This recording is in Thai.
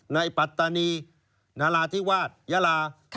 ปัตตานีนราธิวาสยาลา